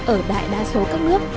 ở đại đa số các nước